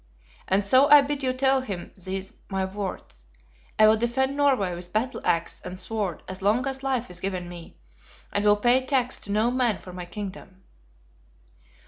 And so I bid you tell him these my words: I will defend Norway with battle axe and sword as long as life is given me, and will pay tax to no man for my kingdom."